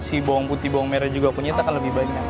si bawang putih bawang merah punyata juga akan lebih banyak